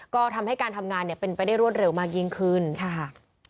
ก็ทำให้การทำงานเนี่ยเป็นไปได้รวดเร็วมากยิ่งขึ้นค่ะ